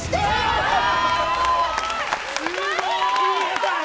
すごい！